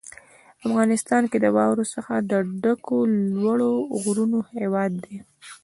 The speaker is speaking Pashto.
افغانستان د واورو څخه د ډکو لوړو غرونو هېواد دی.